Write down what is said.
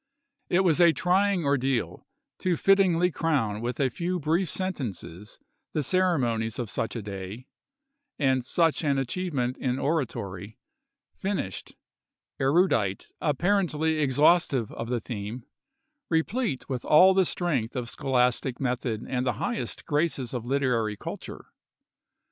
It was a trying ordeal to fittingly crown with a few brief sentences the ceremonies of such a day, and such an achievement in oratory ; finished, erudite, apparently exhaustive of the theme, replete with all the strength of scholastic method and the highest graces of hterary culture.